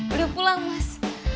udah pulang mas